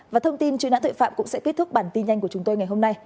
và thông tin chuyên án thuệ phạm cũng sẽ kết thúc bản tin nhanh của chúng tôi ngày hôm nay